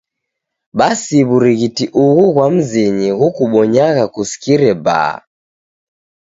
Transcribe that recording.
Basi wur'ighiti ughu ghwa mzinyi ghukubonyagha kusikire baa.